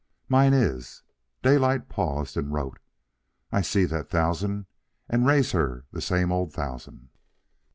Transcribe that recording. "Mine is," Daylight paused and wrote. "I see that thousand and raise her the same old thousand."